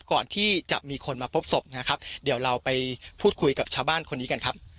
ก่อนที่จะมีคนมาพบศพนะครับเดี๋ยวเราไปพูดคุยกับชาวบ้านคนนี้กันครับ